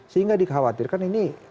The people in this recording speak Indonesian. sehingga dikhawatirkan ini